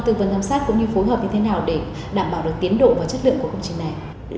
tư vấn giám sát cũng như phối hợp như thế nào để đảm bảo được tiến độ và chất lượng của công trình này